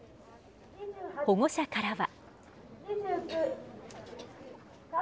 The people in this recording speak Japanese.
保護者からは。